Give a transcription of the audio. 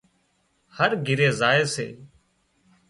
هر گھِري زائي سي